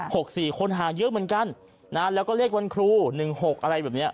กสี่คนหาเยอะเหมือนกันนะฮะแล้วก็เลขวันครูหนึ่งหกอะไรแบบเนี้ย